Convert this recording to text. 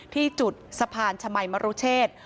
ที่จุดสะพานชมัยมรุเชษ